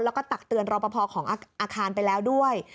แล้วก็ตักเตือนรอปภของอาคารไปแล้วด้วย